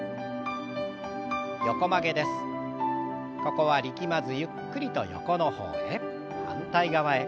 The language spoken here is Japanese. ここは力まずゆっくりと横の方へ。